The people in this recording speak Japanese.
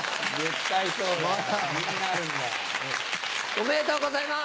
おめでとうございます。